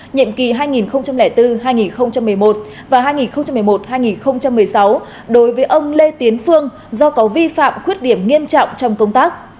nhiệm kỳ hai nghìn bốn hai nghìn một mươi một và hai nghìn một mươi một hai nghìn một mươi sáu đối với ông lê tiến phương do có vi phạm khuyết điểm nghiêm trọng trong công tác